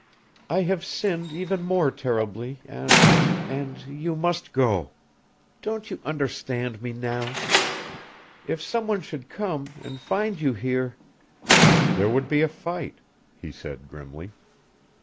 I have sinned even more terribly, and and you must go. Don't you understand me now? If some one should come and find you here " "There would be a fight," he said grimly.